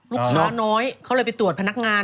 ลูกค้าน้อยเขาเลยไปตรวจพนักงาน